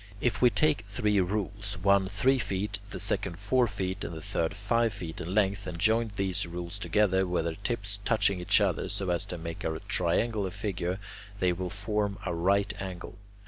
If we take three rules, one three feet, the second four feet, and the third five feet in length, and join these rules together with their tips touching each other so as to make a triangular figure, they will form a right angle.